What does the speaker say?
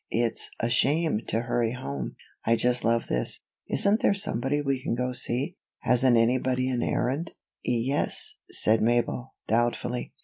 It's a shame to hurry home. I just love this. Isn't there somebody we can go to see? Hasn't anybody an errand?" "Ye es," said Mabel, doubtfully.